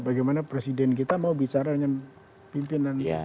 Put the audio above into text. bagaimana presiden kita mau bicara dengan pimpinan